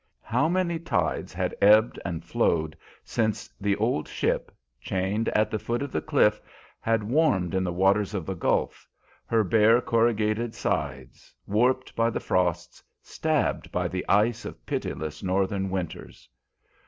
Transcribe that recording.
How many tides had ebbed and flowed since the old ship, chained at the foot of the cliff, had warmed in the waters of the Gulf her bare, corrugated sides, warped by the frosts, stabbed by the ice of pitiless Northern winters!